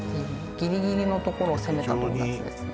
ギリギリのところを攻めたドーナツですね